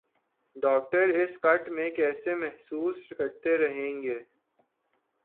doctor اس kit میں کیسے محسوس کرتے رہیں گے